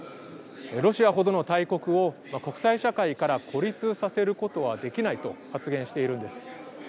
ロシアほどの大国を国際社会から孤立させることはできないと発言しているんです。